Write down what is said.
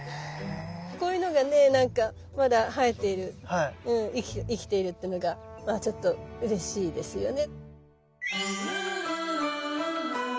こういうのがねまだ生えている生きているっていうのがまあちょっとうれしいですよね。